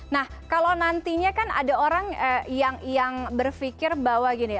nah kalau nantinya kan ada orang yang berpikir bahwa gini